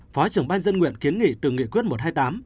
phó trưởng ban dân nguyện kiến nghị từ nghị quyết một trăm hai mươi tám